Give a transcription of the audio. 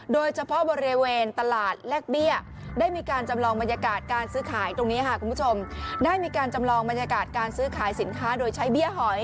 โดยเฉพาะบริเวณตลาดแลกเบี้ยได้มีการจำลองบรรยากาศการซื้อขายสินค้าโดยใช้เบี้ยหอย